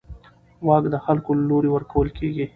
واک د خلکو له لوري ورکول کېږي